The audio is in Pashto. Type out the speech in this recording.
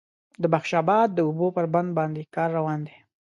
د بخش آباد د اوبو پر بند باندې کار روان دی